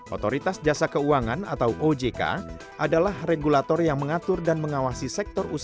otoritas jasa keuangan atau ojk adalah regulator yang mengatur dan mengawasi sektor usaha